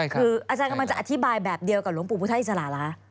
คืออาจารย์กำลังจะอธิบายแบบเดียวกับหลวงปู่พุทธอิสระเหรอคะ